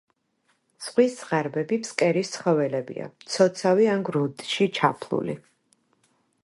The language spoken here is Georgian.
ზღვის ზღარბები ფსკერის ცხოველებია, მცოცავი ან გრუნტში ჩაფლული.